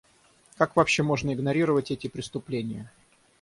Как вообще можно игнорировать эти преступления?